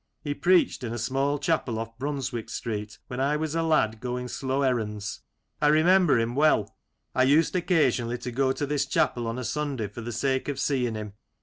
He preached in a small chapel oflf Brunswick Street when I was a lad going slow errands. I remember him well I used occasion ally to go to this chapel on a Sunday for the sake of seeing him.